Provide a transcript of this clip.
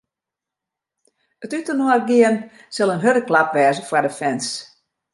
It útinoargean sil in hurde klap wêze foar de fans.